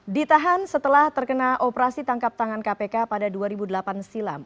ditahan setelah terkena operasi tangkap tangan kpk pada dua ribu delapan silam